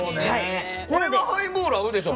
これはハイボールに合うでしょ！